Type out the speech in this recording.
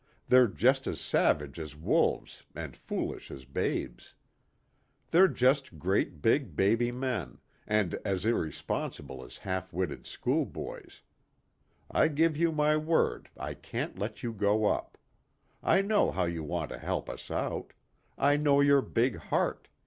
They're just as savage as wolves, and foolish as babes. They're just great big baby men, and as irresponsible as half witted schoolboys. I give you my word I can't let you go up. I know how you want to help us out. I know your big heart.